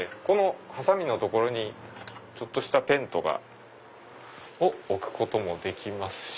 ハサミのところにちょっとしたペンとかを置くこともできますし。